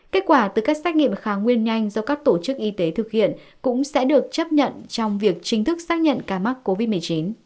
kết quả từ các xét nghiệm kháng nguyên nhanh do các tổ chức y tế thực hiện cũng sẽ được chấp nhận trong việc chính thức xác nhận ca mắc covid một mươi chín